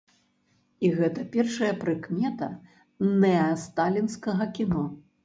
І гэта першая прыкмета нэасталінскага кіно.